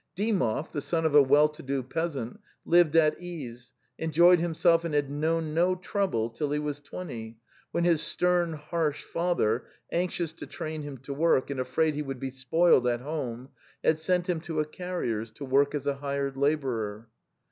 Dymov, the son of a well to do peasant, lived at ease, enjoyed himself and had known no trouble till he was twenty, when his stern harsh father, anxious to train him to work, and afraid he would be spoiled at home, had sent him to a carrier's to work as a hired labourer.